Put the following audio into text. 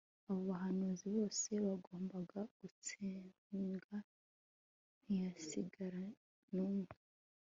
Abo bahanuzi bose bagombaga gutsembwa ntihasigare numwe